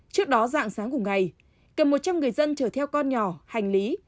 trước đó dạng sáng của ngày cầm một trăm linh người dân chở theo con nhỏ hành lý